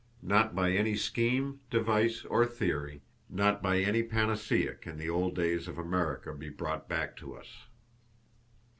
Not by any scheme, device, or theory, not by any panacea can the old days of America be brought back to us.